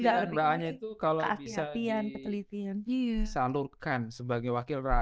jadi penelitian peraannya itu kalau bisa disalurkan sebagai wakil pera